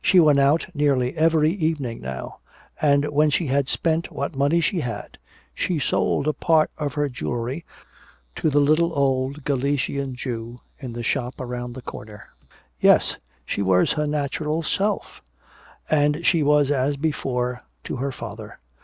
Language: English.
She went out nearly every evening now; and when she had spent what money she had, she sold a part of her jewelry to the little old Galician Jew in the shop around the corner. Yes, she was her natural self. And she was as before to her father.